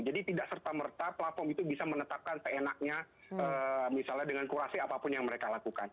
jadi tidak serta merta platform itu bisa menetapkan seenaknya misalnya dengan kurasi apapun yang mereka lakukan